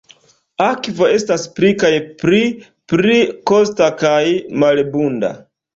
Akvo estas pli kaj pli pli kosta kaj malabunda.